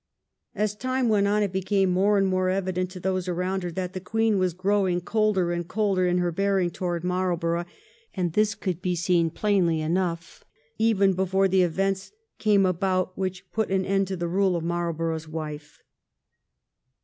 As time went on it became more and more evident to those around her that the Queen was growing colder and colder in her bearing towards Marlborough, and this could be seen plainly enough even before the events came about which put an end to the rule of Marlborough's wife.